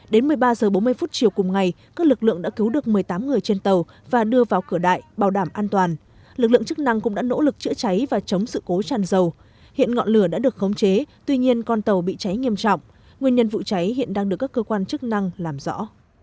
đến một mươi ba h bốn mươi chiều cùng ngày các lực lượng đã cứu được một mươi tám người trên tàu và đưa vào cửa đại bảo đảm an toàn lực lượng chức năng cũng đã nỗ lực chữa cháy và chống sự cố tràn dầu hiện ngọn lửa đã được khống chế tuy nhiên con tàu bị cháy nghiêm trọng nguyên nhân vụ cháy hiện đang được các cơ quan chức năng làm rõ